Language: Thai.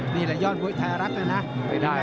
นี่แหละย่อนบุญไทยรักนะ